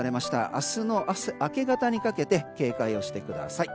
明日の明け方にかけて警戒をしてください。